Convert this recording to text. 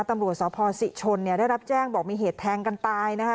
ตำรวจสพศิชนเนี่ยได้รับแจ้งบอกมีเหตุแทงกันตายนะคะ